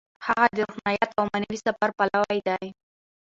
هغه د روحانیت او معنوي سفر پلوی دی.